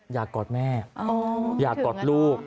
กอดแม่อยากกอดลูก